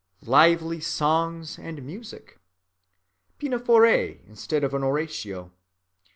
Lively songs and music; Pinafore instead of an Oratorio.